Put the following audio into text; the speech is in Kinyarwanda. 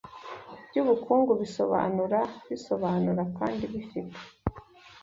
byubukungu bisobanura bisobanura kandi bifite